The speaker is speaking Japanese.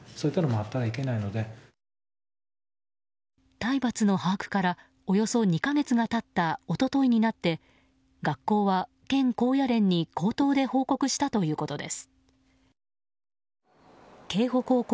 体罰の把握からおよそ２か月が経った一昨日になって学校は県高野連で口頭で報告したということです。